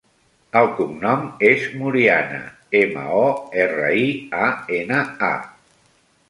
El cognom és Moriana: ema, o, erra, i, a, ena, a.